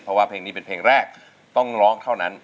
เพราะว่าเพลงนี้เป็นเพลงแรกต้องร้องเท่านั้น